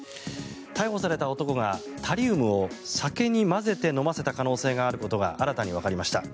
逮捕された男がタリウムを酒に混ぜて飲ませた可能性があることが新たにわかりました。